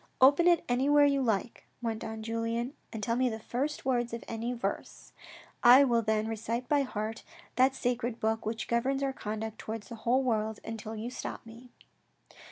" Open it anywhere you like," went on Julien and tell me the first word of any verse, " I will then recite by heart that sacred book which governs our conduct towards the whole world, until you stop me."